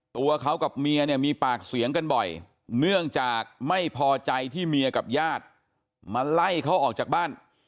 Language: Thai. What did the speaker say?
ตัวเขากับเมียเนี่ยมีปากเสียงกันบ่อยเนื่องจากไม่พอใจที่เมียกับญาติมาไล่เขาออกจากบ้าน